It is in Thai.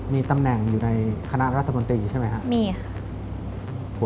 มีตำแหน่งอยู่ในคณะรัฐมนตรีใช่ไหมครับมีค่ะ